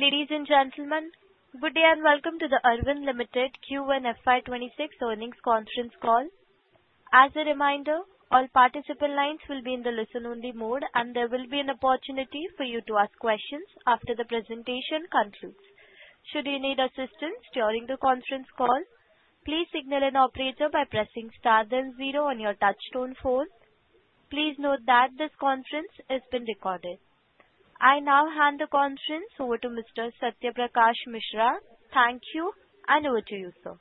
Ladies and gentlemen, good day and welcome to the Arvind Limited Q1 FY26 Earnings Conference Call. As a reminder, all participant lines will be in the listen-only mode, and there will be an opportunity for you to ask questions after the presentation concludes. Should you need assistance during the conference call, please signal an operator by pressing star then zero on your touch-tone phone. Please note that this conference has been recorded. I now hand the conference over to Mr. Satya Prakash Mishra. Thank you, and over to you, sir.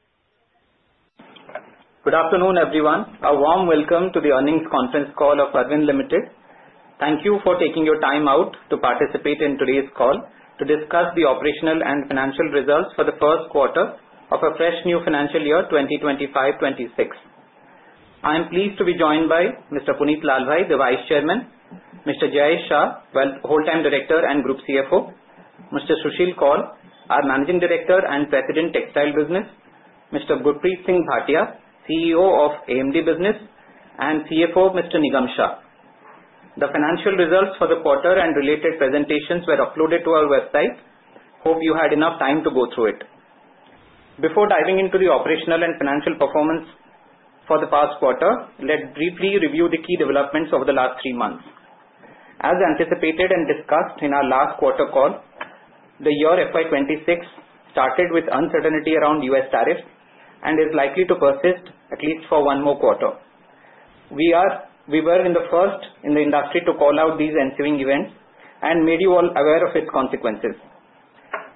Good afternoon, everyone. A warm welcome to the earnings conference call of Arvind Limited. Thank you for taking your time out to participate in today's call to discuss the operational and financial results for the first quarter of a fresh new financial year, 2025-26. I am pleased to be joined by Mr. Punit Lalbhai, the Vice Chairman, Mr. Jayesh Shah, Whole Time Director and Group CFO, Mr. Susheel Kaul, our Managing Director and President, Textile Business, Mr. Gurpreet Singh Bhatia, CEO of AMD Business, and CFO, Mr. Nigam Shah. The financial results for the quarter and related presentations were uploaded to our website. Hope you had enough time to go through it. Before diving into the operational and financial performance for the past quarter, let's briefly review the key developments over the last three months. As anticipated and discussed in our last quarter call, the year FY26 started with uncertainty around U.S. tariffs and is likely to persist at least for one more quarter. We were the first in the industry to call out these ensuing events and made you all aware of its consequences.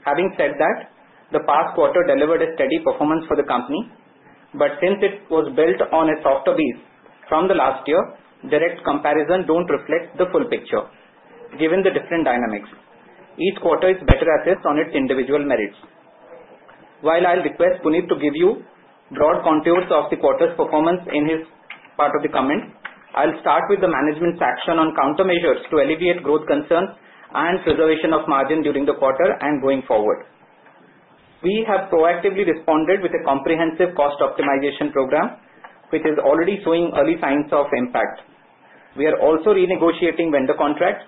Having said that, the past quarter delivered a steady performance for the company, but since it was built on a softer base from the last year, direct comparisons don't reflect the full picture given the different dynamics. Each quarter is better assessed on its individual merits. While I'll request Punit to give you broad contours of the quarter's performance in his part of the comment, I'll start with the management's action on countermeasures to alleviate growth concerns and preservation of margin during the quarter and going forward. We have proactively responded with a comprehensive cost optimization program, which is already showing early signs of impact. We are also renegotiating vendor contracts,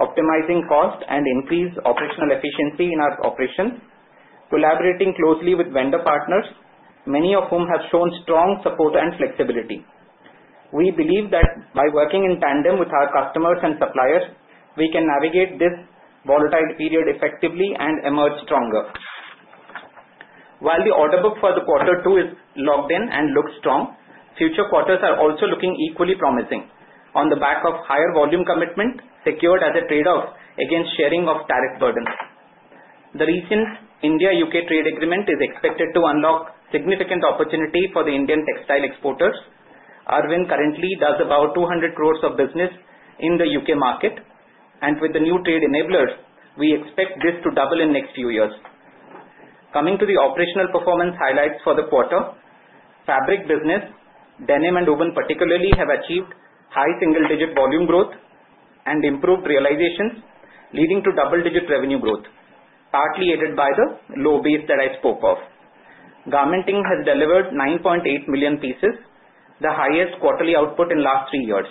optimizing cost, and increasing operational efficiency in our operations, collaborating closely with vendor partners, many of whom have shown strong support and flexibility. We believe that by working in tandem with our customers and suppliers, we can navigate this volatile period effectively and emerge stronger. While the order book for the quarter two is locked in and looks strong, future quarters are also looking equally promising on the back of higher volume commitment secured as a trade-off against sharing of tariff burdens. The recent India-UK trade agreement is expected to unlock significant opportunity for the Indian textile exporters. Arvind currently does about 200 crores of business in the UK market, and with the new trade enablers, we expect this to double in the next few years. Coming to the operational performance highlights for the quarter, fabric business, Denim, and Wovens particularly have achieved high single-digit volume growth and improved realizations, leading to double-digit revenue growth, partly aided by the low base that I spoke of. Garmenting has delivered 9.8 million pieces, the highest quarterly output in the last three years.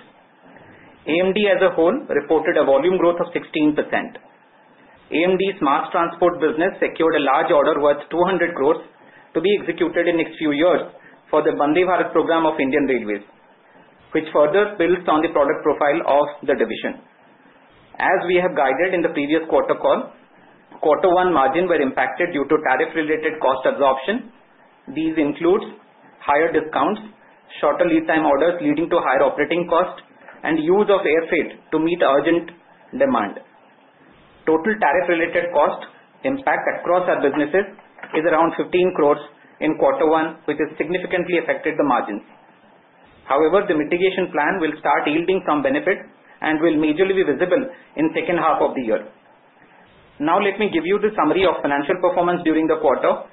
AMD as a whole reported a volume growth of 16%. AMD's Mass Transport business secured a large order worth 200 crores to be executed in the next few years for the Vande Bharat program of Indian Railways, which further builds on the product profile of the division. As we have guided in the previous quarter call, quarter one margins were impacted due to tariff-related cost absorption. These include higher discounts, shorter lead time orders leading to higher operating cost, and use of air freight to meet urgent demand. Total tariff-related cost impact across our businesses is around 15 crores in quarter one, which has significantly affected the margins. However, the mitigation plan will start yielding some benefit and will majorly be visible in the second half of the year. Now, let me give you the summary of financial performance during the quarter.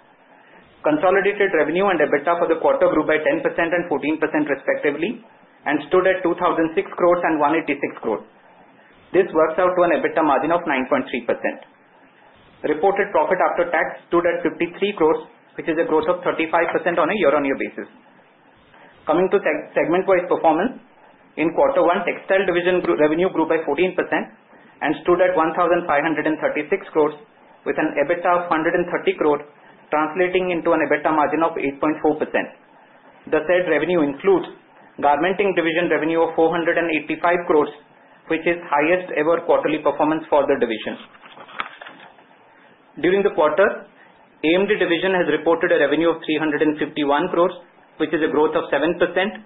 Consolidated revenue and EBITDA for the quarter grew by 10% and 14% respectively and stood at 2,006 crores and 186 crores. This works out to an EBITDA margin of 9.3%. Reported profit after tax stood at INR 53 crores, which is a growth of 35% on a year-on-year basis. Coming to segment-wise performance, in quarter one, textile division revenue grew by 14% and stood at 1,536 crores, with an EBITDA of 130 crores, translating into an EBITDA margin of 8.4%. The said revenue includes garmenting division revenue of 485 crores, which is the highest-ever quarterly performance for the division. During the quarter, AMD division has reported a revenue of 351 crores, which is a growth of 7%.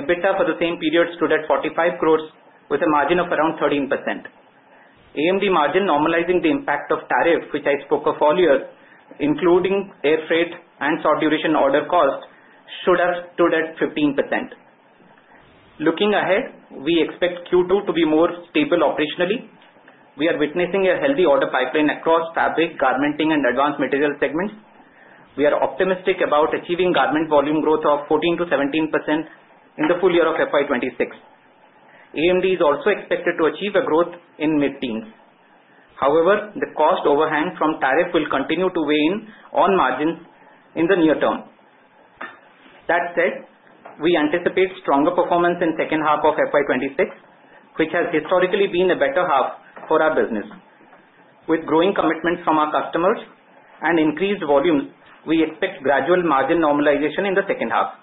EBITDA for the same period stood at 45 crores, with a margin of around 13%. AMD margin normalizing the impact of tariff, which I spoke of earlier, including air freight and short-duration order cost, should have stood at 15%. Looking ahead, we expect Q2 to be more stable operationally. We are witnessing a healthy order pipeline across fabric, garmenting, and advanced materials segments. We are optimistic about achieving garment volume growth of 14% to 17% in the full year of FY26. AMD is also expected to achieve a growth in mid-teens. However, the cost overhang from tariff will continue to weigh in on margins in the near term. That said, we anticipate stronger performance in the second half of FY26, which has historically been the better half for our business. With growing commitments from our customers and increased volumes, we expect gradual margin normalization in the second half.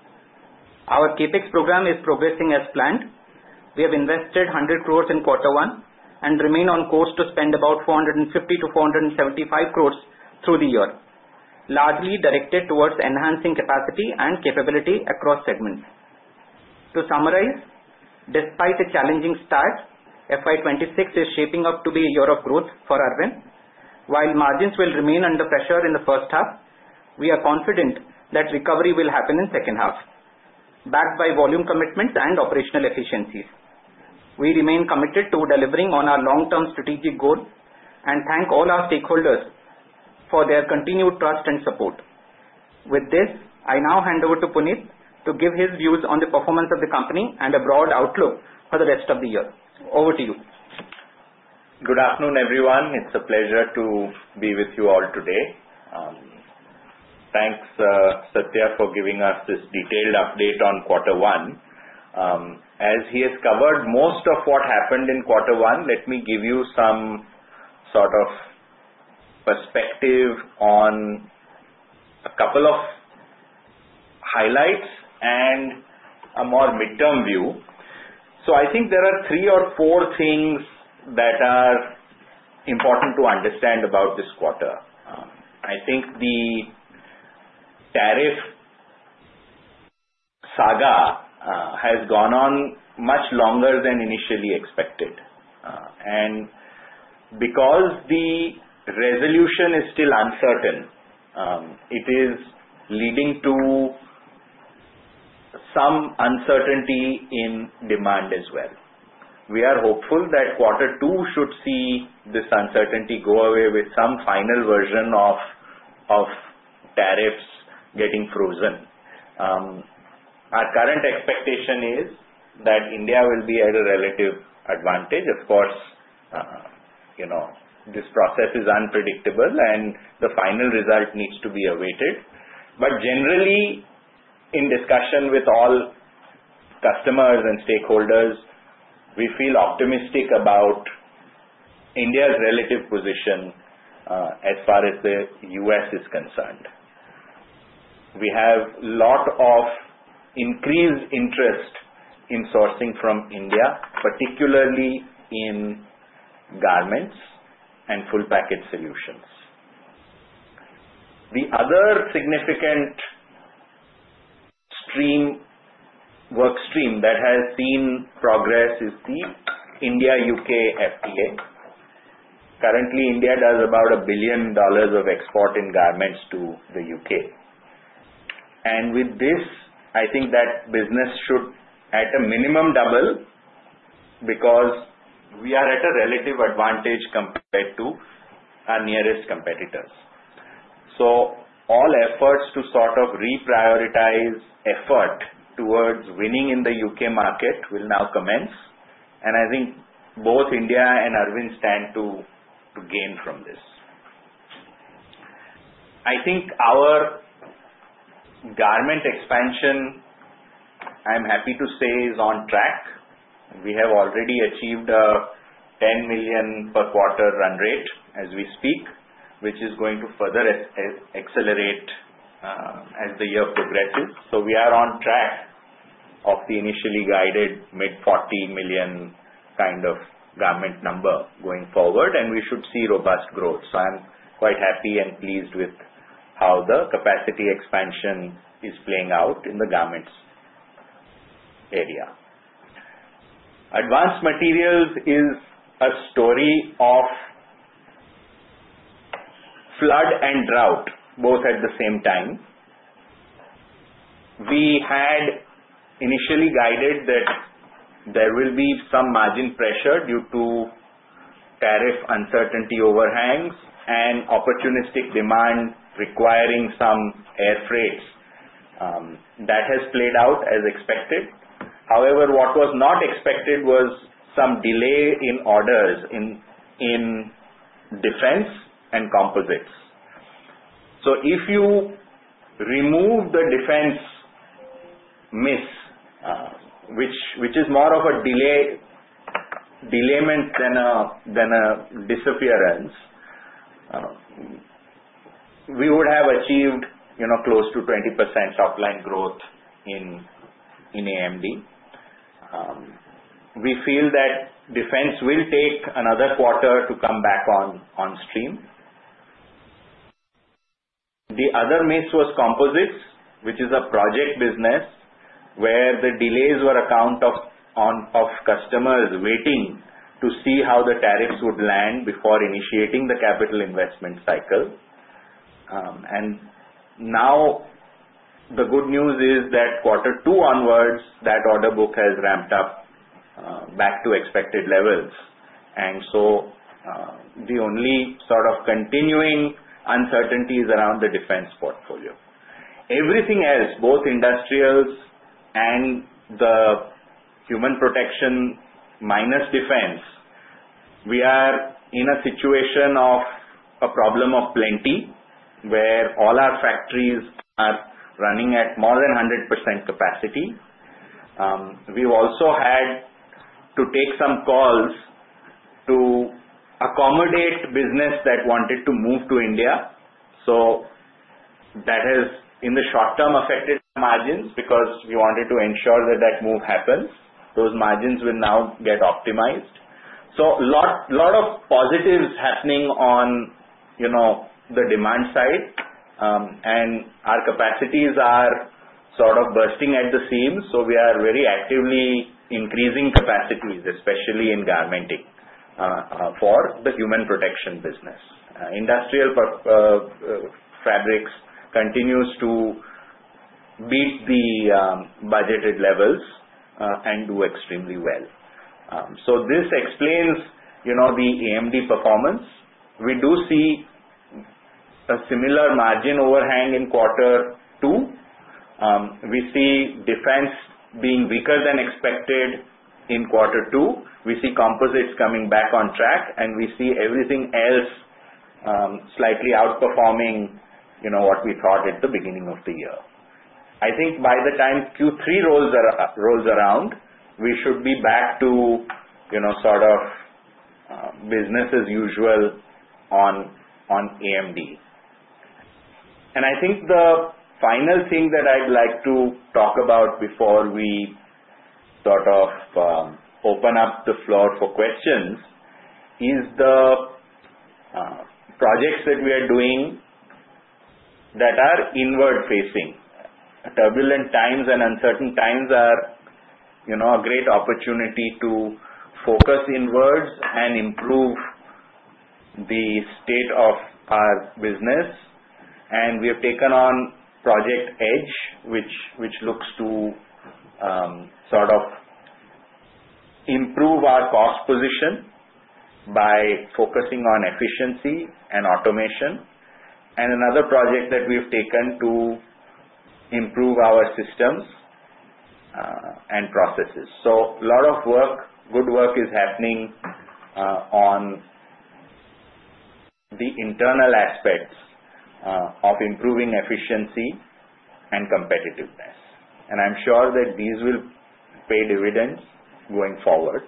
Our CAPEX program is progressing as planned. We have invested 100 crores in quarter one and remain on course to spend about 450-475 crores through the year, largely directed towards enhancing capacity and capability across segments. To summarize, despite a challenging start, FY26 is shaping up to be a year of growth for Arvind. While margins will remain under pressure in the first half, we are confident that recovery will happen in the second half, backed by volume commitments and operational efficiencies. We remain committed to delivering on our long-term strategic goal and thank all our stakeholders for their continued trust and support. With this, I now hand over to Punit to give his views on the performance of the company and a broad outlook for the rest of the year. Over to you. Good afternoon, everyone. It's a pleasure to be with you all today. Thanks, Satya, for giving us this detailed update on quarter one. As he has covered most of what happened in quarter one, let me give you some sort of perspective on a couple of highlights and a more midterm view, so I think there are three or four things that are important to understand about this quarter. I think the tariff saga has gone on much longer than initially expected, and because the resolution is still uncertain, it is leading to some uncertainty in demand as well. We are hopeful that quarter two should see this uncertainty go away with some final version of tariffs getting frozen. Our current expectation is that India will be at a relative advantage. Of course, this process is unpredictable, and the final result needs to be awaited. Generally, in discussion with all customers and stakeholders, we feel optimistic about India's relative position as far as the U.S. is concerned. We have a lot of increased interest in sourcing from India, particularly in garments and full-package solutions. The other significant workstream that has seen progress is the India-U.K. FTA. Currently, India does about $1 billion of export in garments to the U.K. And with this, I think that business should, at a minimum, double because we are at a relative advantage compared to our nearest competitors. So all efforts to sort of reprioritize effort towards winning in the U.K. market will now commence. And I think both India and Arvind stand to gain from this. I think our garment expansion, I'm happy to say, is on track. We have already achieved a 10 million per quarter run rate as we speak, which is going to further accelerate as the year progresses, so we are on track of the initially guided mid-40 million kind of garment number going forward, and we should see robust growth, so I'm quite happy and pleased with how the capacity expansion is playing out in the garments area. Advanced Materials is a story of flood and drought both at the same time. We had initially guided that there will be some margin pressure due to tariff uncertainty overhangs and opportunistic demand requiring some air freights. That has played out as expected. However, what was not expected was some delay in orders in Defense and Composites, so if you remove the Defense miss, which is more of a deferment than a disappearance, we would have achieved close to 20% top-line growth in AMD. We feel that Defense will take another quarter to come back on stream. The other miss was Composites, which is a project business where the delays were on account of customers waiting to see how the tariffs would land before initiating the capital investment cycle. And now the good news is that quarter two onwards, that order book has ramped up back to expected levels. And so the only sort of continuing uncertainty is around the Defense portfolio. Everything else, both Industrials and the Human Protection minus Defense, we are in a situation of a problem of plenty where all our factories are running at more than 100% capacity. We've also had to make some calls to accommodate business that wanted to move to India. So that has, in the short term, affected margins because we wanted to ensure that that move happens. Those margins will now get optimized. So a lot of positives happening on the demand side, and our capacities are sort of bursting at the seams. So we are very actively increasing capacities, especially in garmenting, for the Human Protection business. Industrial fabrics continue to beat the budgeted levels and do extremely well. So this explains the AMD performance. We do see a similar margin overhang in quarter two. We see Defense being weaker than expected in quarter two. We see Composites coming back on track, and we see everything else slightly outperforming what we thought at the beginning of the year. I think by the time Q3 rolls around, we should be back to sort of business as usual on AMD. And I think the final thing that I'd like to talk about before we sort of open up the floor for questions is the projects that we are doing that are inward-facing. Turbulent times and uncertain times are a great opportunity to focus inwards and improve the state of our business. And we have taken on Project Edge, which looks to sort of improve our cost position by focusing on efficiency and automation. And another project that we have taken to improve our systems and processes. So a lot of good work is happening on the internal aspects of improving efficiency and competitiveness. And I'm sure that these will pay dividends going forward.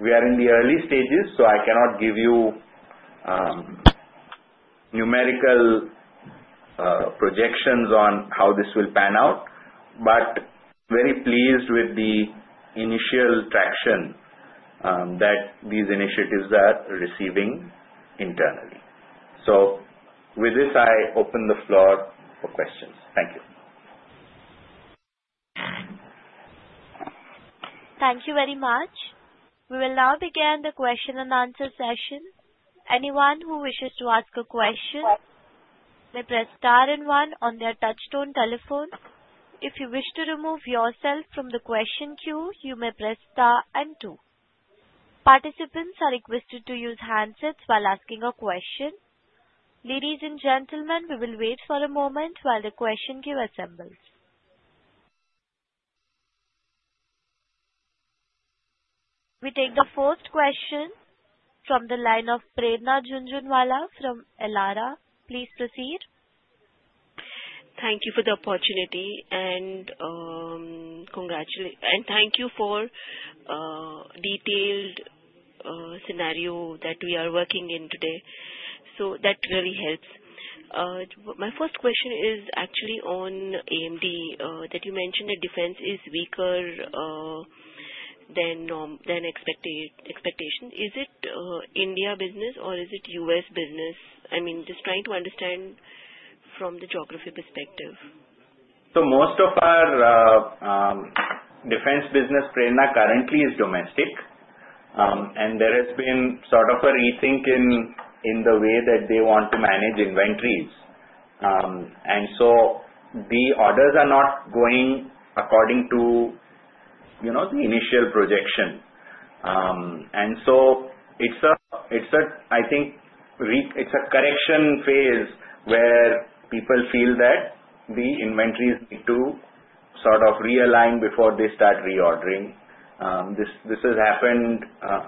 We are in the early stages, so I cannot give you numerical projections on how this will pan out, but very pleased with the initial traction that these initiatives are receiving internally. So with this, I open the floor for questions. Thank you. Thank you very much. We will now begin the question and answer session. Anyone who wishes to ask a question may press star and one on their touchstone telephone. If you wish to remove yourself from the question queue, you may press star and two. Participants are requested to use handsets while asking a question. Ladies and gentlemen, we will wait for a moment while the question queue assembles. We take the first question from the line of Prerna Jhunjhunwala from Elara. Please proceed. Thank you for the opportunity and thank you for the detailed scenario that we are working in today, so that really helps. My first question is actually on AMD, that you mentioned that Defense is weaker than expectation. Is it India business or is it US business? I mean, just trying to understand from the geography perspective. So most of our Defense business, Prerna, currently is domestic, and there has been sort of a rethink in the way that they want to manage inventories. And so the orders are not going according to the initial projection. And so it's a, I think, it's a correction phase where people feel that the inventories need to sort of realign before they start reordering. This has happened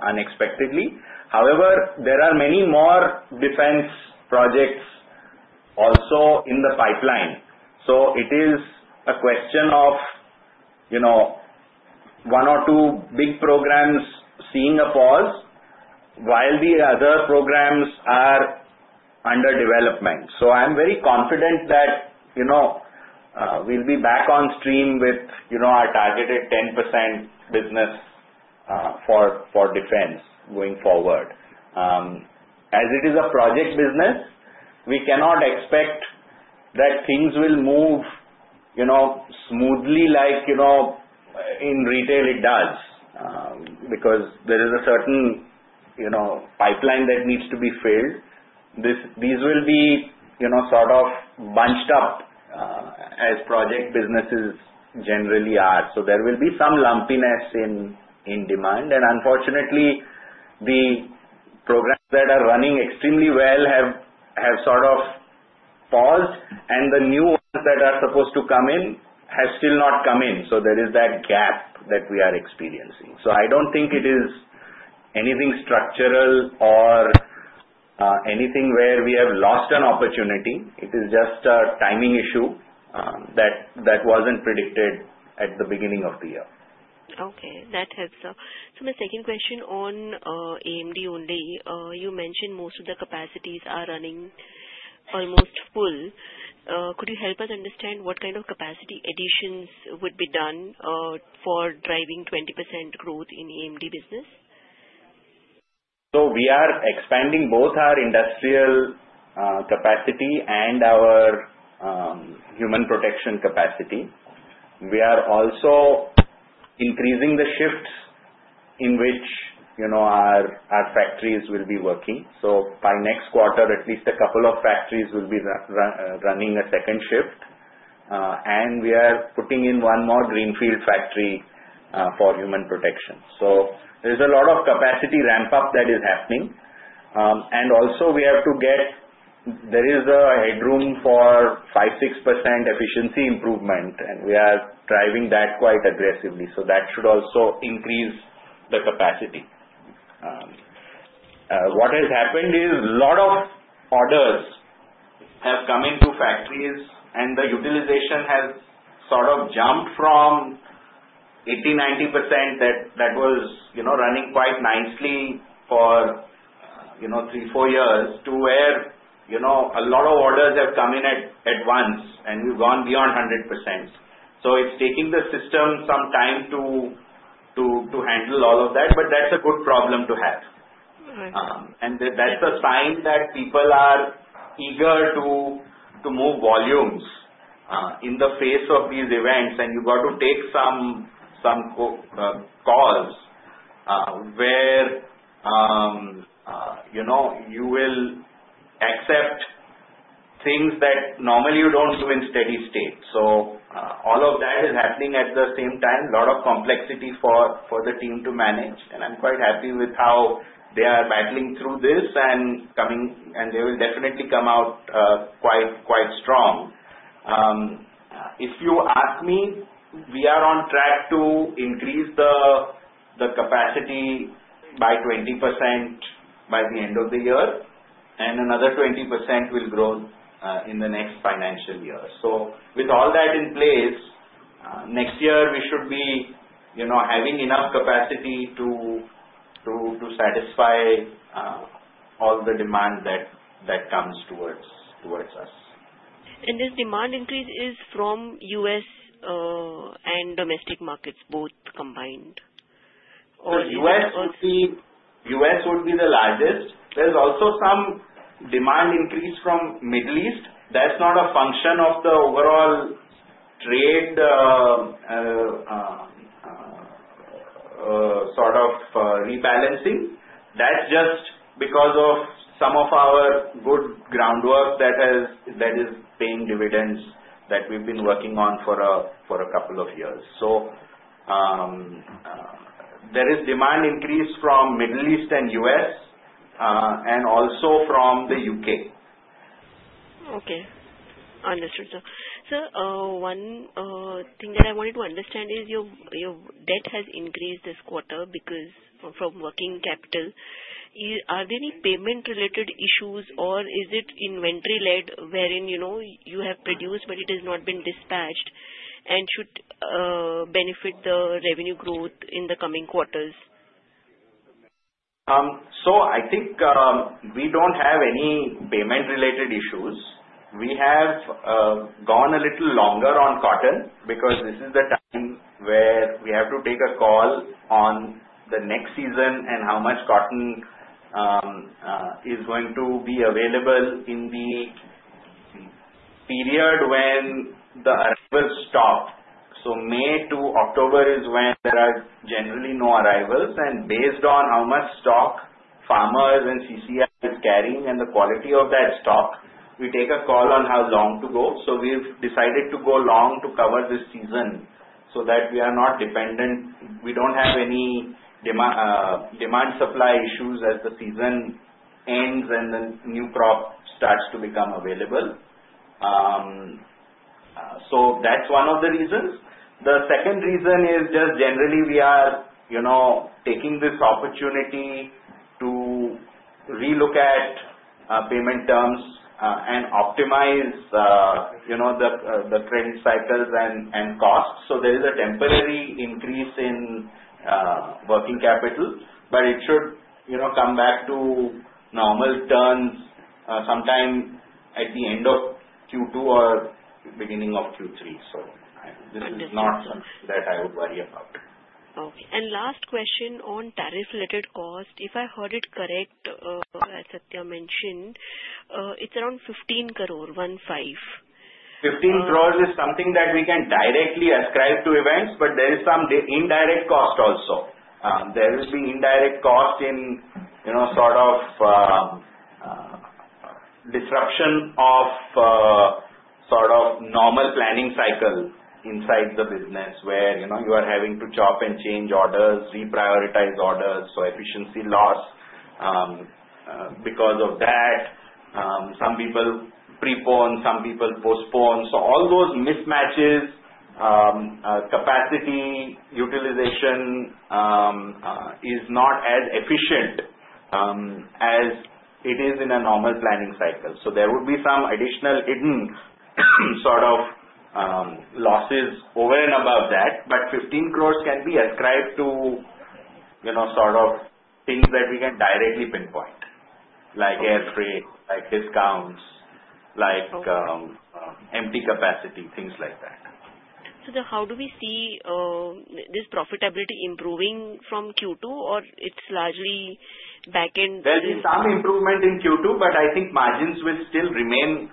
unexpectedly. However, there are many more Defense projects also in the pipeline. So it is a question of one or two big programs seeing a pause while the other programs are under development. So I'm very confident that we'll be back on stream with our targeted 10% business for Defense going forward. As it is a project business, we cannot expect that things will move smoothly like in retail it does because there is a certain pipeline that needs to be filled. These will be sort of bunched up as project businesses generally are. So there will be some lumpiness in demand. And unfortunately, the programs that are running extremely well have sort of paused, and the new ones that are supposed to come in have still not come in. So there is that gap that we are experiencing. So I don't think it is anything structural or anything where we have lost an opportunity. It is just a timing issue that wasn't predicted at the beginning of the year. Okay. That helps. So my second question on AMD only. You mentioned most of the capacities are running almost full. Could you help us understand what kind of capacity additions would be done for driving 20% growth in AMD business? We are expanding both our industrial capacity and our Human Protection capacity. We are also increasing the shifts in which our factories will be working. By next quarter, at least a couple of factories will be running a second shift. We are putting in one more Greenfield factory for Human Protection. There's a lot of capacity ramp-up that is happening. Also, we have to get there is a headroom for 5%, 6% efficiency improvement, and we are driving that quite aggressively. That should also increase the capacity. What has happened is a lot of orders have come into factories, and the utilization has sort of jumped from 80%, 90% that was running quite nicely for three, four years to where a lot of orders have come in at once, and we've gone beyond 100%. So it's taking the system some time to handle all of that, but that's a good problem to have. And that's a sign that people are eager to move volumes in the face of these events. And you've got to take some calls where you will accept things that normally you don't do in steady state. So all of that is happening at the same time, a lot of complexity for the team to manage. And I'm quite happy with how they are battling through this, and they will definitely come out quite strong. If you ask me, we are on track to increase the capacity by 20% by the end of the year, and another 20% will grow in the next financial year. So with all that in place, next year, we should be having enough capacity to satisfy all the demand that comes towards us. This demand increase is from U.S. and domestic markets both combined? So U.S. would be the largest. There's also some demand increase from Middle East. That's not a function of the overall trade sort of rebalancing. That's just because of some of our good groundwork that is paying dividends that we've been working on for a couple of years. So there is demand increase from Middle East and U.S. and also from the U.K. Okay. Understood. So one thing that I wanted to understand is your debt has increased this quarter because from working capital. Are there any payment-related issues, or is it inventory-led wherein you have produced but it has not been dispatched and should benefit the revenue growth in the coming quarters? So I think we don't have any payment-related issues. We have gone a little longer on cotton because this is the time where we have to take a call on the next season and how much cotton is going to be available in the period when the arrivals stop. So May to October is when there are generally no arrivals. And based on how much stock farmers and CCI are carrying and the quality of that stock, we take a call on how long to go. So we've decided to go long to cover this season so that we are not dependent. We don't have any demand-supply issues as the season ends and the new crop starts to become available. So that's one of the reasons. The second reason is just generally we are taking this opportunity to relook at payment terms and optimize the trade cycles and costs. So there is a temporary increase in working capital, but it should come back to normal terms sometime at the end of Q2 or beginning of Q3. So this is not something that I would worry about. Okay. And last question on tariff-related cost. If I heard it correct, as Satya mentioned, it's around 15 crore. 15 crore is something that we can directly ascribe to events, but there is some indirect cost also. There will be indirect cost in sort of disruption of sort of normal planning cycle inside the business where you are having to chop and change orders, reprioritize orders. So efficiency loss because of that. Some people prepone, some people postpone. So all those mismatches, capacity utilization is not as efficient as it is in a normal planning cycle. So there would be some additional hidden sort of losses over and above that. But 15 crores can be ascribed to sort of things that we can directly pinpoint, like air freight, like discounts, like empty capacity, things like that. How do we see this profitability improving from Q2, or it's largely backend? There will be some improvement in Q2, but I think margins will still remain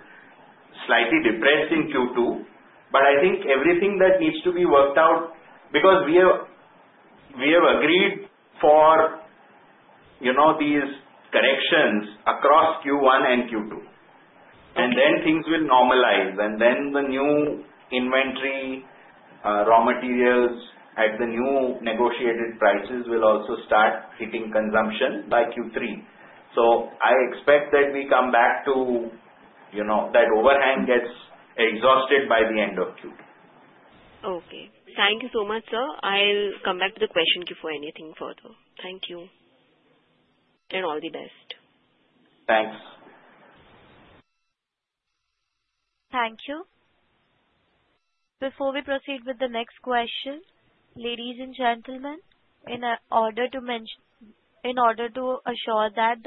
slightly depressed in Q2. But I think everything that needs to be worked out, because we have agreed for these corrections across Q1 and Q2. And then things will normalize. And then the new inventory raw materials at the new negotiated prices will also start hitting consumption by Q3. So I expect that we come back to that overhang gets exhausted by the end of Q2. Okay. Thank you so much, sir. I'll come back to the question queue for anything further. Thank you, and all the best. Thanks. Thank you. Before we proceed with the next question, ladies and gentlemen, in order to assure that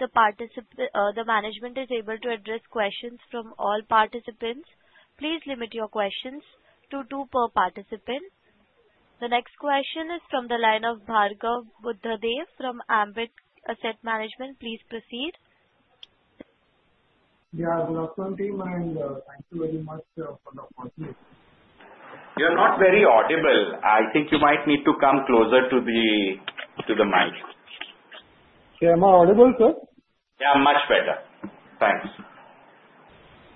the management is able to address questions from all participants, please limit your questions to two per participant. The next question is from the line of Bhargav Buddhadev from Ambit Asset Management. Please proceed. Yeah, good afternoon, team, and thank you very much for the opportunity. You're not very audible. I think you might need to come closer to the mic. Yeah, am I audible, sir? Yeah, much better. Thanks.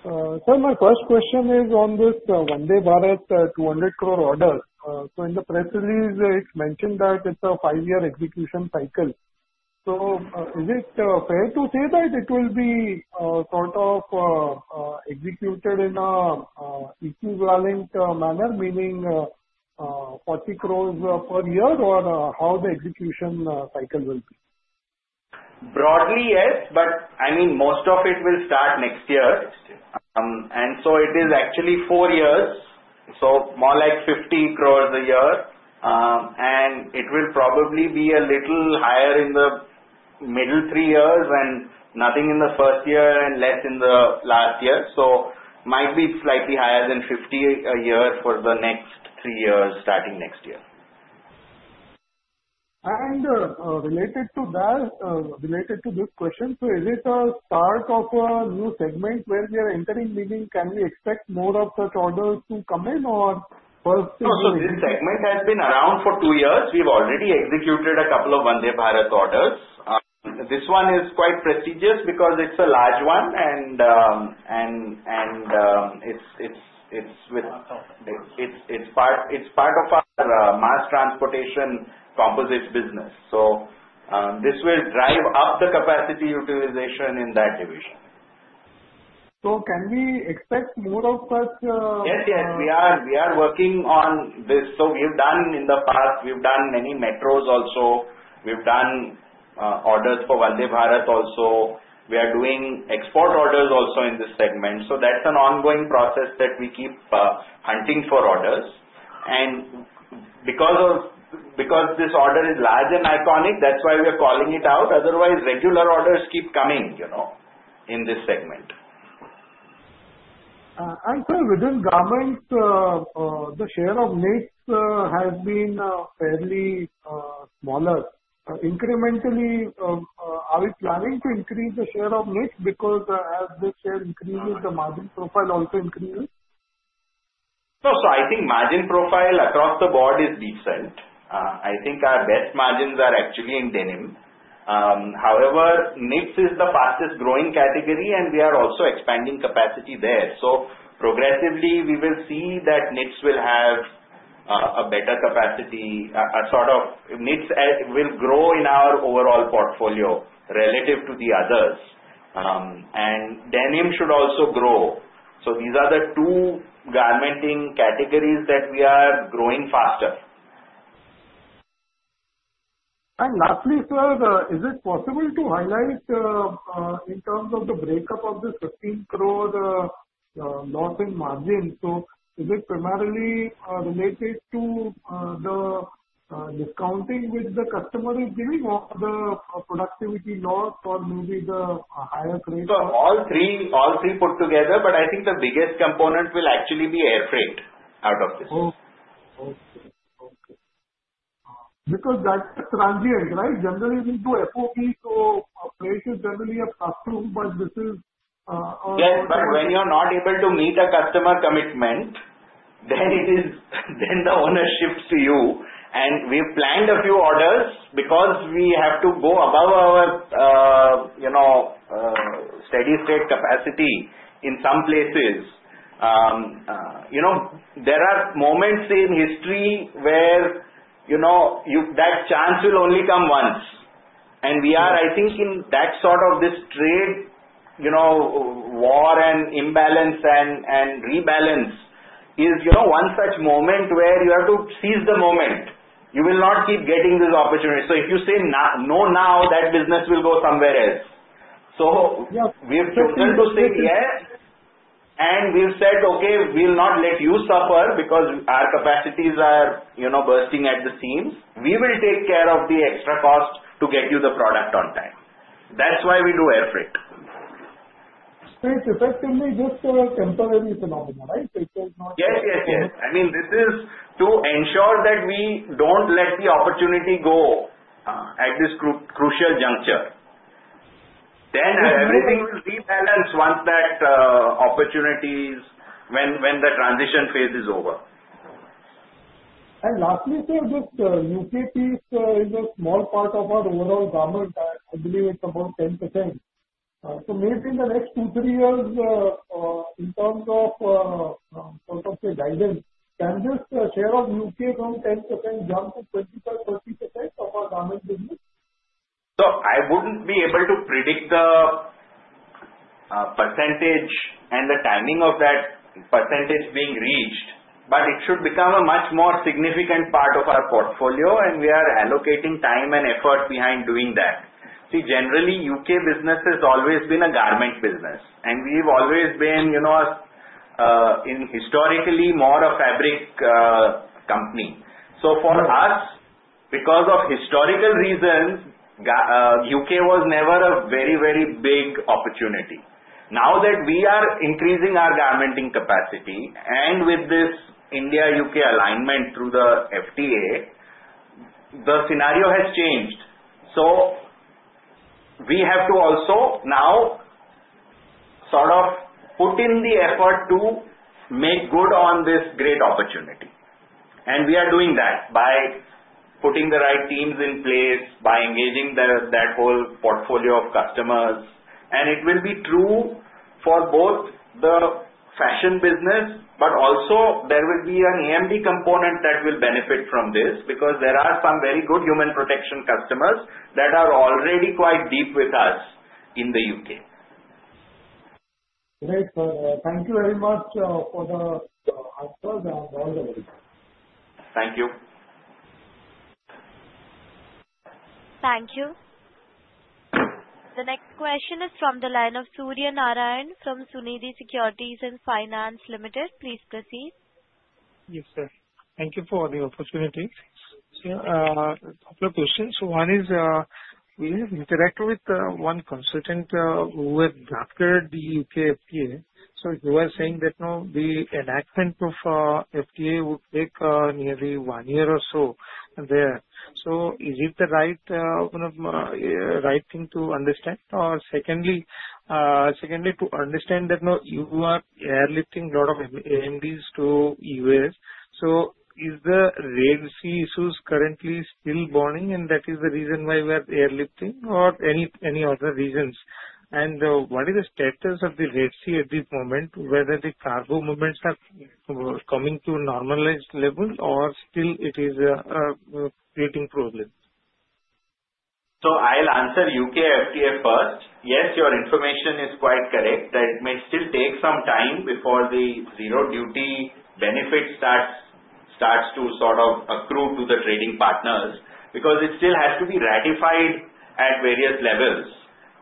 Sir, my first question is on this Vande Bharat 200 crore order. So in the press release, it mentioned that it's a five-year execution cycle. So is it fair to say that it will be sort of executed in an equivalent manner, meaning 40 crores per year, or how the execution cycle will be? Broadly, yes. But I mean, most of it will start next year. And so it is actually four years, so more like 50 crores a year. And it will probably be a little higher in the middle three years and nothing in the first year and less in the last year. So might be slightly higher than 50 a year for the next three years starting next year. Related to that, related to this question, so is it a start of a new segment where we are entering, meaning can we expect more of such orders to come in, or first thing? No, so this segment has been around for two years. We've already executed a couple of Vande Bharat orders. This one is quite prestigious because it's a large one, and it's part of our Mass Transportation Composite business. So this will drive up the capacity utilization in that division. So can we expect more of such? Yes, yes. We are working on this. So we have done in the past, we've done many metros also. We've done orders for Vande Bharat also. We are doing export orders also in this segment. So that's an ongoing process that we keep hunting for orders. And because this order is large and iconic, that's why we are calling it out. Otherwise, regular orders keep coming in this segment. Sir, within garments, the share of Knits has been fairly smaller. Incrementally, are we planning to increase the share of Knits because as this share increases, the margin profile also increases? No, so I think margin profile across the board is decent. I think our best margins are actually in Denim. However, Knits is the fastest growing category, and we are also expanding capacity there. So progressively, we will see that Knits will have a better capacity. Sort of Knits will grow in our overall portfolio relative to the others. And Denim should also grow. So these are the two garmenting categories that we are growing faster. Lastly, sir, is it possible to highlight in terms of the breakup of the 15 crore loss in margin? Is it primarily related to the discounting which the customer is giving or the productivity loss or maybe the higher grade? So all three put together, but I think the biggest component will actually be air freight out of this. Okay. Because that's a transient, right? Generally, we do FOB, so freight is generally a plus tool, but this is a. Yes, but when you're not able to meet a customer commitment, then the ownership's you. And we've planned a few orders because we have to go above our steady-state capacity in some places. There are moments in history where that chance will only come once. And we are, I think, in that sort of this trade war and imbalance and rebalance is one such moment where you have to seize the moment. You will not keep getting this opportunity. So if you say no now, that business will go somewhere else. So we've chosen to say yes, and we've said, "Okay, we'll not let you suffer because our capacities are bursting at the seams. We will take care of the extra cost to get you the product on time." That's why we do air freight. So it's effectively just a temporary phenomenon, right? It's not. Yes, yes, yes. I mean, this is to ensure that we don't let the opportunity go at this crucial juncture. Then everything will rebalance once that opportunity is when the transition phase is over. Lastly, sir, this UK piece is a small part of our overall garment. I believe it's about 10%. Maybe in the next two, three years, in terms of sort of the guidance, can this share of UK from 10% jump to 25%-30% of our garment business? So I wouldn't be able to predict the percentage and the timing of that percentage being reached, but it should become a much more significant part of our portfolio, and we are allocating time and effort behind doing that. See, generally, U.K. business has always been a garment business, and we've always been historically more a fabric company. So for us, because of historical reasons, U.K. was never a very, very big opportunity. Now that we are increasing our garmenting capacity, and with this India-U.K. alignment through the FTA, the scenario has changed. So we have to also now sort of put in the effort to make good on this great opportunity. And we are doing that by putting the right teams in place, by engaging that whole portfolio of customers. It will be true for both the fashion business, but also there will be an AMD component that will benefit from this because there are some very good Human Protection customers that are already quite deep with us in the UK. Great. Thank you very much for the answers and all the very good. Thank you. Thank you. The next question is from the line of Surya Narayan from Sunidhi Securities and Finance Limited. Please proceed. Yes, sir. Thank you for the opportunity. So a couple of questions. So one is we have interacted with one consultant who has gathered the UK FTA. So he was saying that the enactment of FTA would take nearly one year or so there. So is it the right thing to understand? Or secondly, to understand that you are airlifting a lot of AMDs to the US, so is the Red Sea issues currently still burning, and that is the reason why we are airlifting, or any other reasons? And what is the status of the Red Sea at this moment, whether the cargo movements are coming to a normalized level, or still it is creating problems? So I'll answer UK FTA first. Yes, your information is quite correct that it may still take some time before the zero-duty benefit starts to sort of accrue to the trading partners because it still has to be ratified at various levels.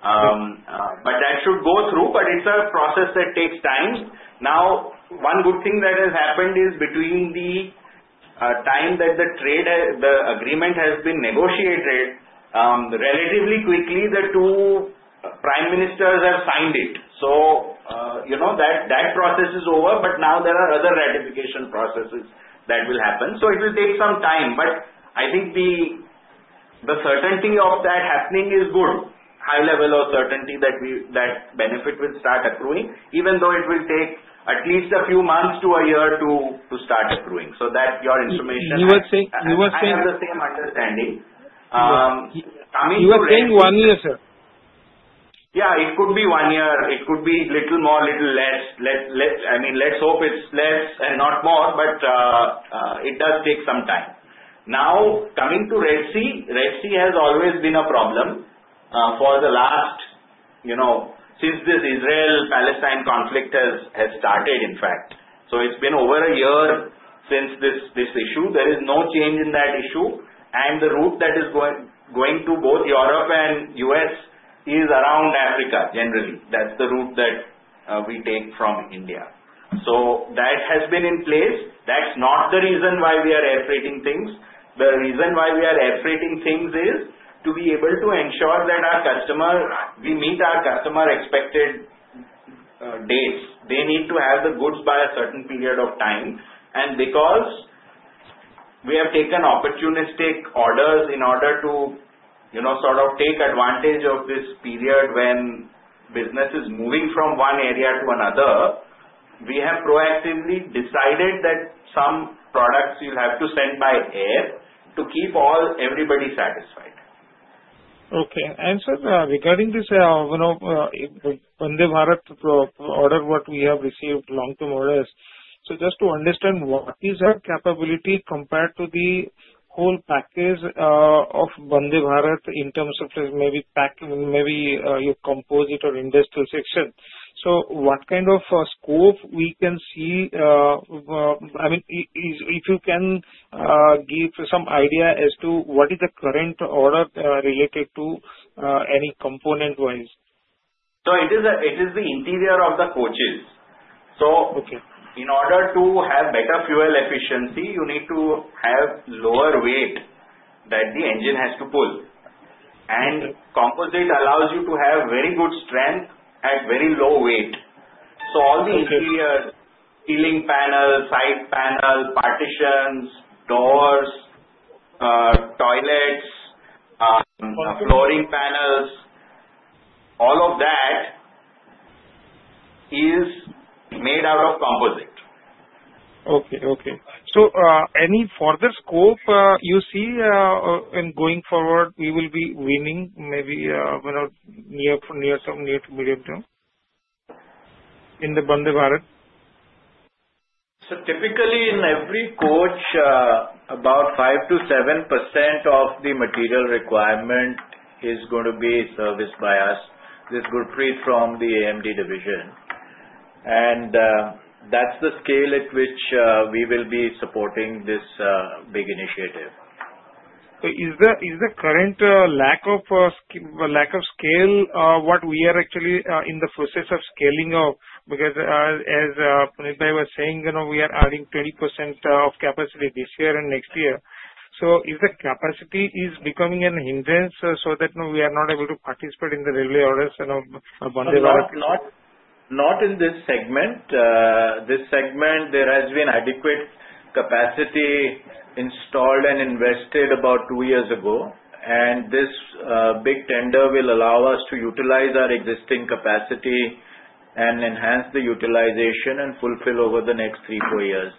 But that should go through, but it's a process that takes time. Now, one good thing that has happened is between the time that the agreement has been negotiated, relatively quickly, the two prime ministers have signed it. So that process is over, but now there are other ratification processes that will happen. So it will take some time, but I think the certainty of that happening is good, high level of certainty that benefit will start accruing, even though it will take at least a few months to a year to start accruing. So that your information and I have the same understanding. You were saying one year, sir? Yeah, it could be one year. It could be little more, little less. I mean, let's hope it's less and not more, but it does take some time. Now, coming to Red Sea, Red Sea has always been a problem for the last since this Israel-Palestine conflict has started, in fact. So it's been over a year since this issue. There is no change in that issue. And the route that is going to both Europe and U.S. is around Africa, generally. That's the route that we take from India. So that has been in place. That's not the reason why we are airfreighting things. The reason why we are airfreighting things is to be able to ensure that we meet our customer expected dates. They need to have the goods by a certain period of time. Because we have taken opportunistic orders in order to sort of take advantage of this period when business is moving from one area to another, we have proactively decided that some products we'll have to send by air to keep everybody satisfied. Okay. And sir, regarding this Vande Bharat order, what we have received long term orders, so just to understand what is your capability compared to the whole package of Vande Bharat in terms of maybe your composite or industrial section? So what kind of scope we can see? I mean, if you can give some idea as to what is the current order related to any component-wise? So it is the interior of the coaches. So in order to have better fuel efficiency, you need to have lower weight that the engine has to pull. And composite allows you to have very good strength at very low weight. So all the interiors, ceiling panel, side panel, partitions, doors, toilets, flooring panels, all of that is made out of composite. Any further scope you see in going forward we will be winning maybe near to medium term in the Vande Bharat? Typically, in every coach, about 5%-7% of the material requirement is going to be serviced by us with good prep from the AMD division. And that's the scale at which we will be supporting this big initiative. So is the current lack of scale what we are actually in the process of scaling of? Because as Punitbhai was saying, we are adding 20% of capacity this year and next year. So is the capacity becoming a hindrance so that we are not able to participate in the railway orders and Vande Bharat? Not in this segment. This segment, there has been adequate capacity installed and invested about two years ago. And this big tender will allow us to utilize our existing capacity and enhance the utilization and fulfill over the next three, four years.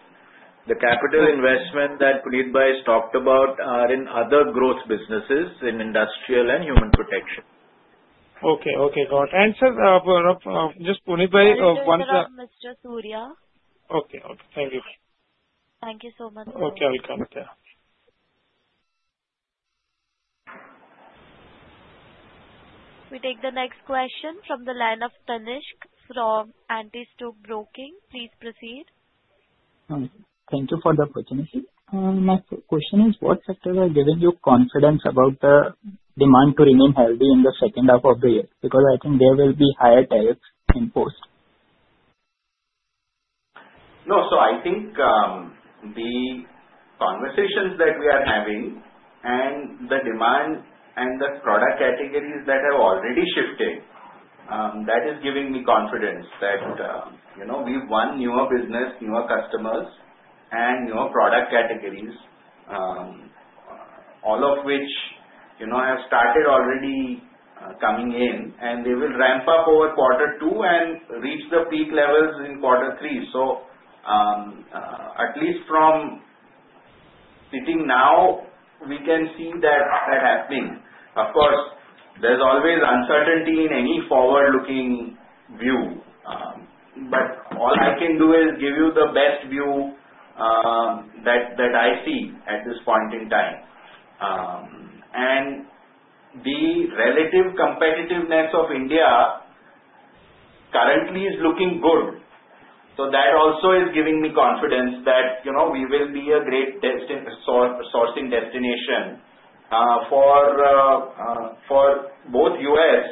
The capital investment that Punitbhai has talked about are in other growth businesses in industrial and Human Protection. Okay. Got it. And sir, just Punitbhai once again. Thank you very much, Mr. Surya. Okay. Okay. Thank you. Thank you so much, sir. Okay. I'll come back. We take the next question from the line of Tanishk from Antique Stock Broking. Please proceed. Thank you for the opportunity. My question is, what factors are giving you confidence about the demand to remain healthy in the second half of the year? Because I think there will be higher tariffs imposed. No. So I think the conversations that we are having and the demand and the product categories that have already shifted, that is giving me confidence that we've won newer business, newer customers, and newer product categories, all of which have started already coming in. And they will ramp up over quarter two and reach the peak levels in quarter three. So at least from sitting now, we can see that happening. Of course, there's always uncertainty in any forward-looking view. But all I can do is give you the best view that I see at this point in time. And the relative competitiveness of India currently is looking good. So that also is giving me confidence that we will be a great sourcing destination for both U.S.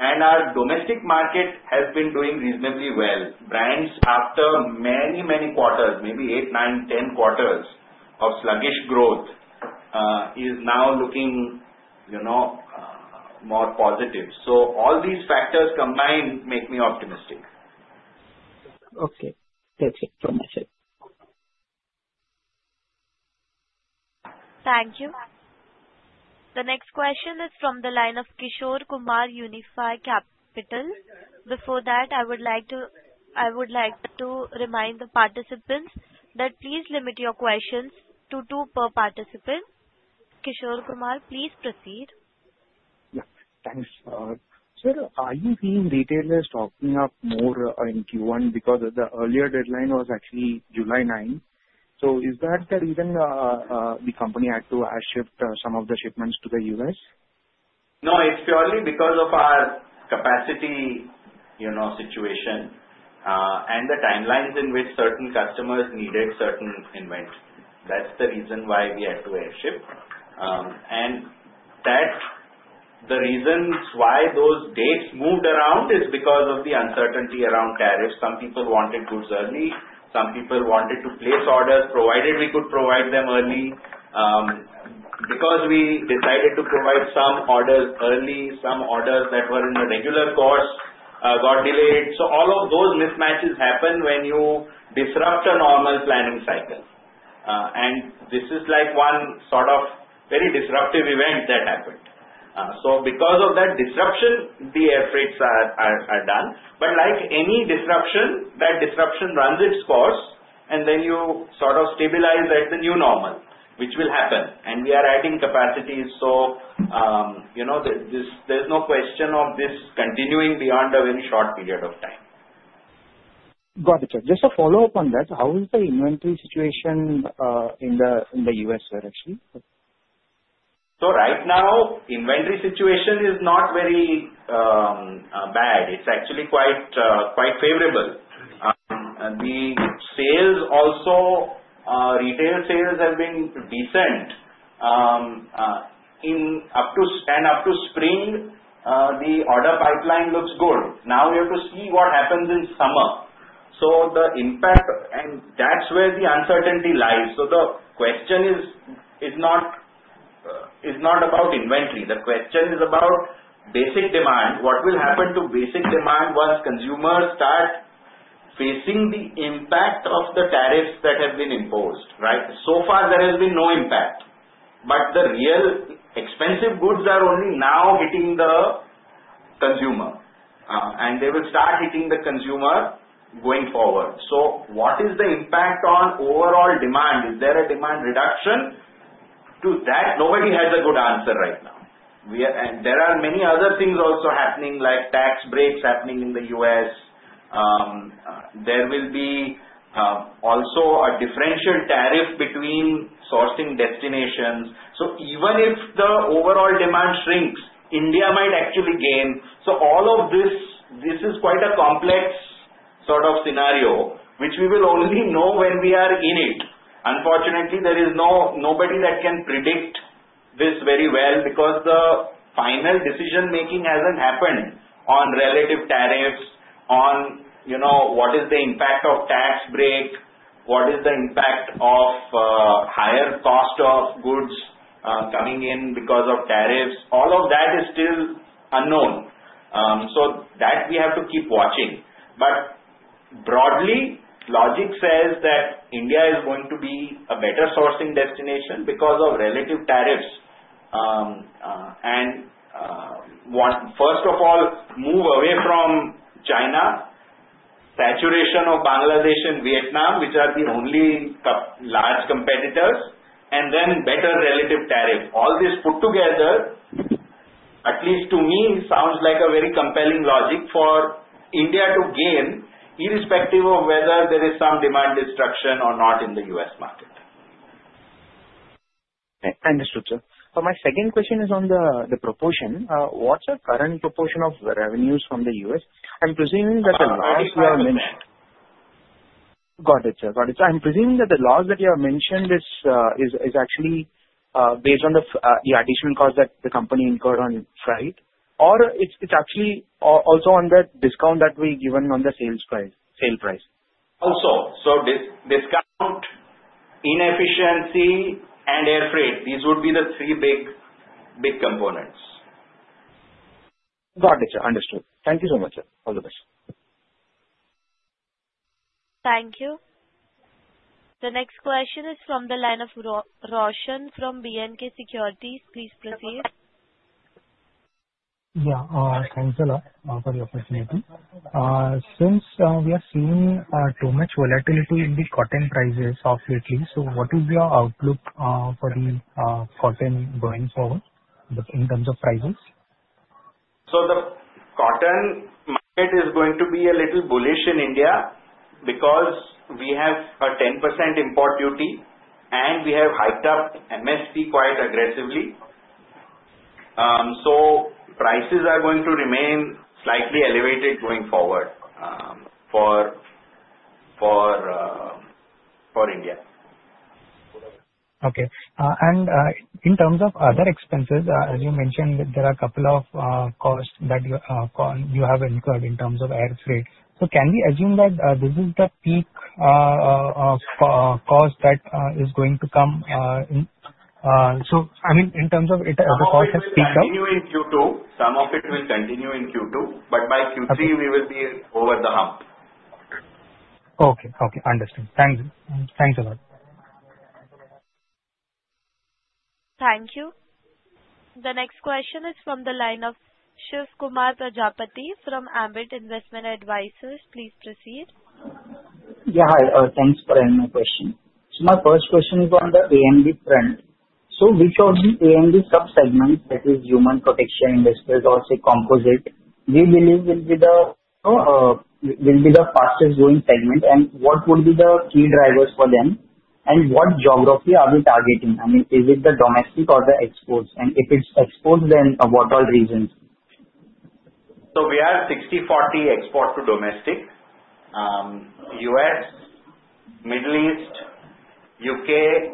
and our domestic market has been doing reasonably well. Brands, after many, many quarters, maybe eight, nine, 10 quarters of sluggish growth, are now looking more positive. So all these factors combined make me optimistic. Okay. That's it from my side. Thank you. The next question is from the line of Kishore Kumar, Unifi Capital. Before that, I would like to remind the participants that please limit your questions to two per participant. Kishore Kumar, please proceed. Yes. Thanks. Sir, are you seeing retailers stocking up more in Q1 because the earlier deadline was actually July 9? So is that the reason the company had to shift some of the shipments to the U.S.? No. It's purely because of our capacity situation and the timelines in which certain customers needed certain inventories. That's the reason why we had to airfreight. And the reasons why those dates moved around is because of the uncertainty around tariffs. Some people wanted goods early. Some people wanted to place orders, provided we could provide them early. Because we decided to provide some orders early, some orders that were in the regular course got delayed. So all of those mismatches happen when you disrupt a normal planning cycle. And this is like one sort of very disruptive event that happened. So because of that disruption, the airfreights are done. But like any disruption, that disruption runs its course, and then you sort of stabilize at the new normal, which will happen. We are adding capacity, so there's no question of this continuing beyond a very short period of time. Got it, sir. Just a follow-up on that. How is the inventory situation in the U.S., sir, actually? So right now, inventory situation is not very bad. It's actually quite favorable. The sales also, retail sales have been decent. And up to spring, the order pipeline looks good. Now we have to see what happens in summer. So the impact, and that's where the uncertainty lies. So the question is not about inventory. The question is about basic demand. What will happen to basic demand once consumers start facing the impact of the tariffs that have been imposed, right? So far, there has been no impact. But the real expensive goods are only now hitting the consumer. And they will start hitting the consumer going forward. So what is the impact on overall demand? Is there a demand reduction? To that, nobody has a good answer right now. And there are many other things also happening, like tax breaks happening in the U.S. There will be also a differential tariff between sourcing destinations. So even if the overall demand shrinks, India might actually gain. So all of this, this is quite a complex sort of scenario, which we will only know when we are in it. Unfortunately, there is nobody that can predict this very well because the final decision-making hasn't happened on relative tariffs, on what is the impact of tax break, what is the impact of higher cost of goods coming in because of tariffs. All of that is still unknown. So that we have to keep watching. But broadly, logic says that India is going to be a better sourcing destination because of relative tariffs. And first of all, move away from China, saturation of Bangladesh and Vietnam, which are the only large competitors, and then better relative tariff. All this put together, at least to me, sounds like a very compelling logic for India to gain, irrespective of whether there is some demand destruction or not in the U.S. market. Okay. I understood, sir. But my second question is on the proportion. What's the current proportion of the revenues from the U.S.? I'm presuming that the laws you have mentioned. I'm presuming that the loss that you have mentioned is actually based on the additional cost that the company incurred on freight, or it's actually also on the discount that we're given on the sales price? Also. So, discount, inefficiency, and airfreight. These would be the three big components. Got it, sir. Understood. Thank you so much, sir. All the best. Thank you. The next question is from the line of Roshan from B&K Securities. Please proceed. Yeah. Thanks, sir, for the opportunity. Since we have seen too much volatility in the cotton prices of lately, so what is your outlook for the cotton going forward in terms of prices? So the cotton market is going to be a little bullish in India because we have a 10% import duty, and we have hiked up MSP quite aggressively. So prices are going to remain slightly elevated going forward for India. Okay. And in terms of other expenses, as you mentioned, there are a couple of costs that you have incurred in terms of airfreight. So can we assume that this is the peak cost that is going to come? So I mean, in terms of the cost has peaked out? It will continue in Q2. Some of it will continue in Q2. But by Q3, we will be over the hump. Okay. Okay. Understood. Thank you. Thanks a lot. Thank you. The next question is from the line of Shivkumar Prajapati from Ambit Investment Advisors. Please proceed. Yeah. Hi. Thanks for having my question. So my first question is on the AMD front. So which of the AMD subsegments, that is Human Protection, industrial, or say composite, we believe will be the fastest growing segment? And what would be the key drivers for them? And what geography are we targeting? I mean, is it the domestic or the exports? And if it's exports, then what are the reasons? So we are 60/40 export to domestic. U.S., Middle East, U.K.,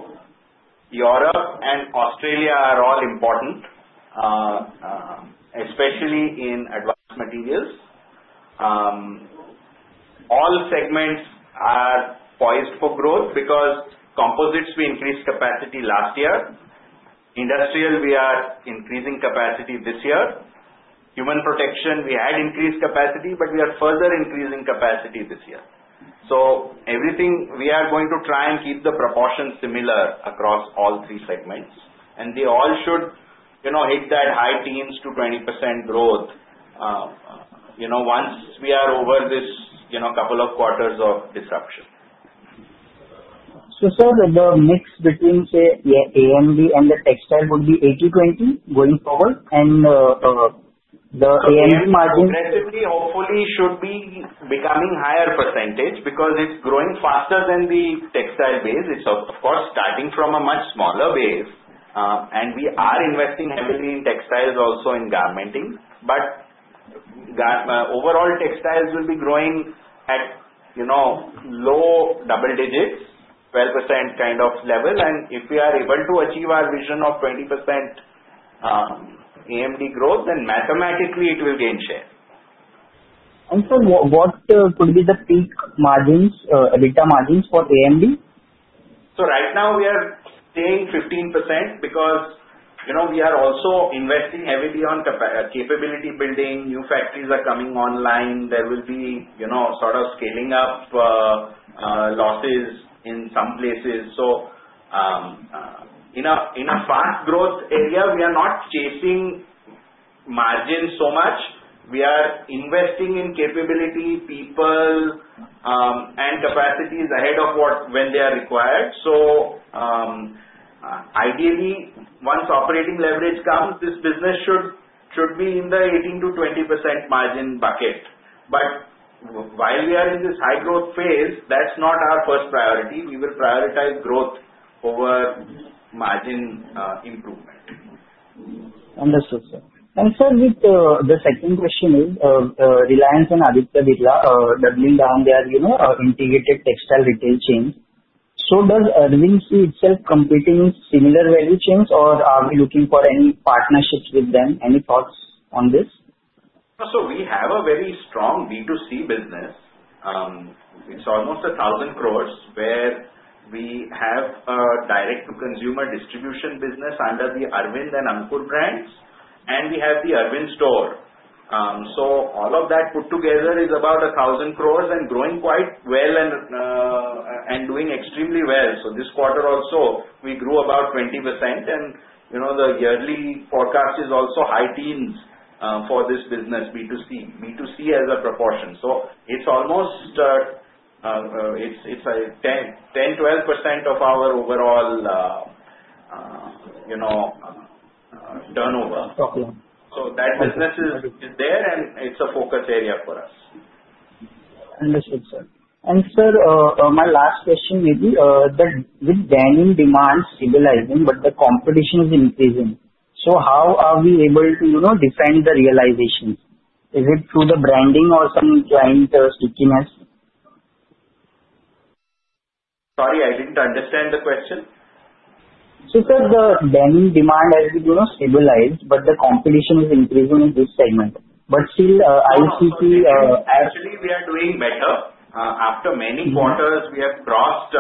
Europe, and Australia are all important, especially in advanced materials. All segments are poised for growth because Composites, we increased capacity last year. Industrial, we are increasing capacity this year. Human protection, we had increased capacity, but we are further increasing capacity this year. So everything, we are going to try and keep the proportion similar across all three segments. And they all should hit that high teens to 20% growth once we are over this couple of quarters of disruption. So sir, the mix between, say, AMD and the textile would be 80/20 going forward? And the AMD margin. Yeah. Progressively, hopefully, should be becoming higher percentage because it's growing faster than the textile base. It's, of course, starting from a much smaller base. And we are investing heavily in textiles also in garmenting. But overall, textiles will be growing at low double digits, 12% kind of level. And if we are able to achieve our vision of 20% AMD growth, then mathematically, it will gain share. Sir, what could be the peak margins, EBITDA margins for AMD? So right now, we are staying at 15% because we are also investing heavily on capability building. New factories are coming online. There will be sort of scaling up losses in some places. So in a fast growth area, we are not chasing margins so much. We are investing in capability, people, and capacities ahead of when they are required. So ideally, once operating leverage comes, this business should be in the 18%-20% margin bucket. But while we are in this high growth phase, that's not our first priority. We will prioritize growth over margin improvement. Understood, sir. And sir, the second question is, Reliance and Aditya Birla are doubling down their integrated textile retail chains. So does Arvind see itself competing in similar value chains, or are we looking for any partnerships with them? Any thoughts on this? So we have a very strong B2C business. It's almost 1,000 crores where we have a direct-to-consumer distribution business under the Arvind and Ankur brands. And we have The Arvind Store. So all of that put together is about 1,000 crores and growing quite well and doing extremely well. So this quarter also, we grew about 20%. And the yearly forecast is also high teens for this business, B2C. B2C as a proportion. So it's almost 10%-12% of our overall turnover. Okay. So that business is there, and it's a focus area for us. Understood, sir. And sir, my last question may be, with demand stabilizing, but the competition is increasing. So how are we able to defend the realization? Is it through the branding or some client stickiness? Sorry, I didn't understand the question. So sir, the demand has stabilized, but the competition is increasing in this segment. But still, I see the. Actually, we are doing better. After many quarters, we have crossed.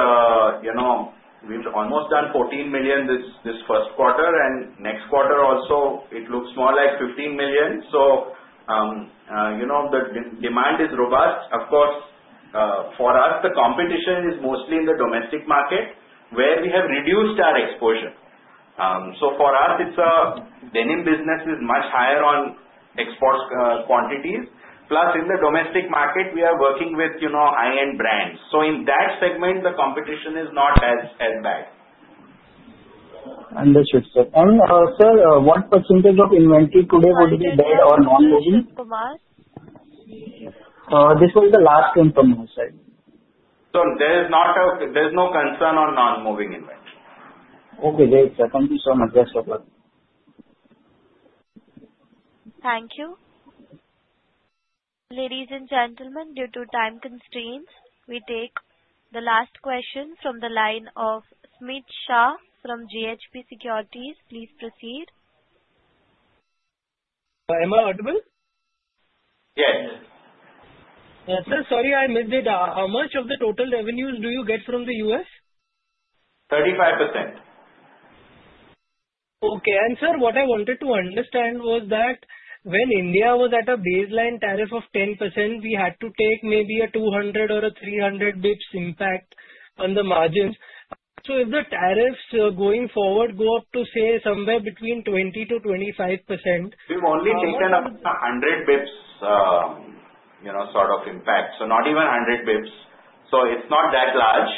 We've almost done 14 million this first quarter. And next quarter also, it looks more like 15 million. So the demand is robust. Of course, for us, the competition is mostly in the domestic market where we have reduced our exposure. So for us, it's a denim business is much higher on export quantities. Plus, in the domestic market, we are working with high-end brands. So in that segment, the competition is not as bad. Understood, sir. And sir, what % of inventory today would be dead or non-moving? Kumar? This was the last one from my side. There is no concern on non-moving inventory. Okay. Great, sir. Thank you so much. That's all. Thank you. Ladies and gentlemen, due to time constraints, we take the last question from the line of Smit Shah from JHP Securities. Please proceed. Emma Ardabil? Yes. Sir, sorry I missed it. How much of the total revenues do you get from the U.S.? 35%. Okay. And sir, what I wanted to understand was that when India was at a baseline tariff of 10%, we had to take maybe a 200 or a 300 basis points impact on the margins. So if the tariffs going forward go up to, say, somewhere between 20%-25%. We've only taken up to 100 basis points sort of impact. So not even 100 basis points. So it's not that large.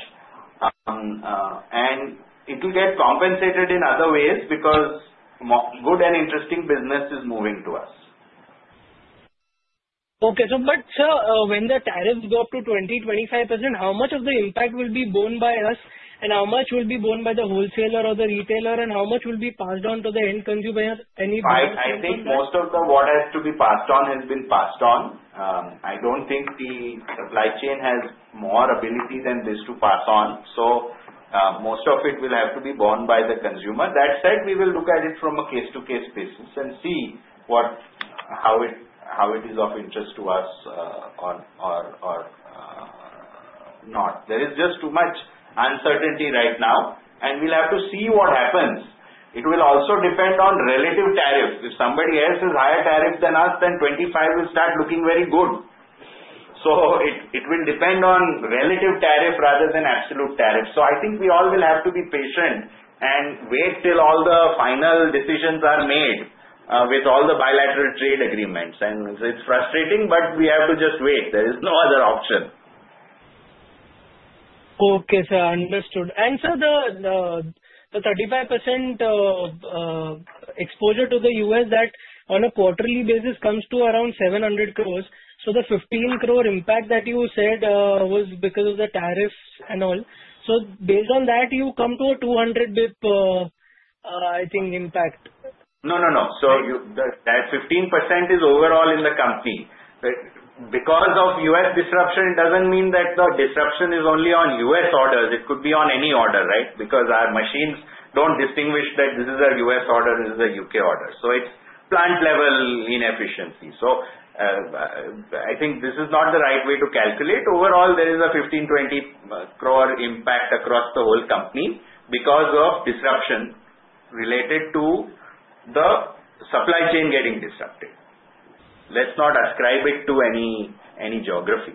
And it will get compensated in other ways because good and interesting business is moving to us. Okay. But sir, when the tariffs go up to 20%, 25%, how much of the impact will be borne by us, and how much will be borne by the wholesaler or the retailer, and how much will be passed on to the end consumer? I think most of what has to be passed on has been passed on. I don't think the supply chain has more ability than this to pass on. So most of it will have to be borne by the consumer. That said, we will look at it from a case-to-case basis and see how it is of interest to us or not. There is just too much uncertainty right now. And we'll have to see what happens. It will also depend on relative tariffs. If somebody else has higher tariffs than us, then 25% will start looking very good. So it will depend on relative tariff rather than absolute tariff. So I think we all will have to be patient and wait till all the final decisions are made with all the bilateral trade agreements. And it's frustrating, but we have to just wait. There is no other option. Okay, sir. Understood. And sir, the 35% exposure to the U.S. that on a quarterly basis comes to around 700 crores. So the 15 crore impact that you said was because of the tariffs and all. So based on that, you come to a 200 basis points, I think, impact. No, no, no. So that 15% is overall in the company. Because of U.S. disruption, it doesn't mean that the disruption is only on U.S. orders. It could be on any order, right? Because our machines don't distinguish that this is a U.S. order, this is a U.K. order. So it's plant-level inefficiency. So I think this is not the right way to calculate. Overall, there is a 15-20 crore impact across the whole company because of disruption related to the supply chain getting disrupted. Let's not ascribe it to any geography.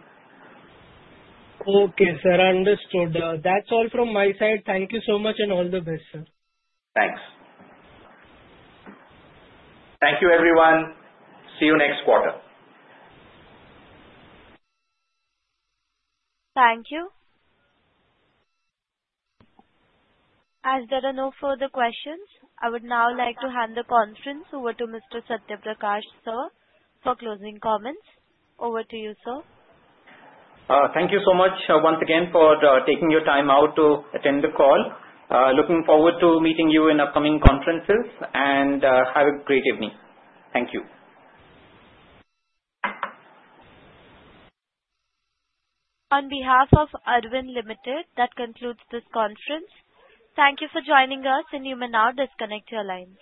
Okay, sir. Understood. That's all from my side. Thank you so much and all the best, sir. Thanks. Thank you, everyone. See you next quarter. Thank you. As there are no further questions, I would now like to hand the conference over to Mr. Satya Prakash Mishra for closing comments. Over to you, sir. Thank you so much once again for taking your time out to attend the call. Looking forward to meeting you in upcoming conferences. And have a great evening. Thank you. On behalf of Arvind Limited, that concludes this conference. Thank you for joining us, and you may now disconnect your lines.